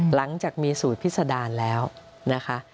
หลังจากมีสูตรพิษดารแล้วนะคะ